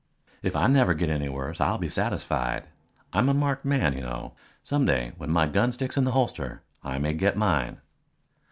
"If I never get any worse, I'll be satisfied. I'm a marked man, you know. Some day, when my gun sticks in the holster, I may get mine."